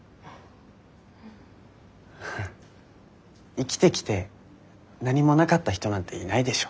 生きてきて何もなかった人なんていないでしょ。